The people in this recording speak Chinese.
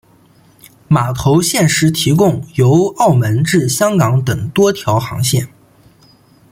码头现时提供由澳门至香港等多条航线。